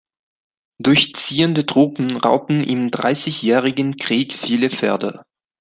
Durchziehende Truppen raubten im Dreißigjährigen Krieg viele Pferde.